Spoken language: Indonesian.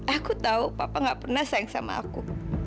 aku tahu papa gak pernah sayang sama aku